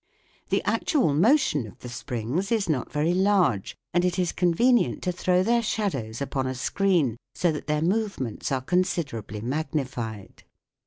The actual motion of the springs is not very large, and it is convenient to throw their shadows upon a screen, so that their movements are considerably magnified.